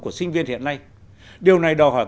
của sinh viên hiện nay điều này đòi hỏi